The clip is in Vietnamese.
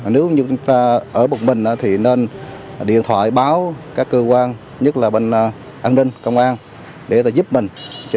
nếu như chúng ta ở một mình thì nên điện thoại báo các cơ quan nhất là bên an ninh công an để giúp mình